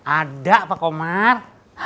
ada pak komar